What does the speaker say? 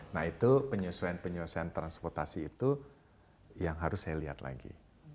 nah itu penyesuaian penyesuaian transportasi itu yang harus saya lihat lagi